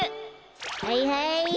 はいはい！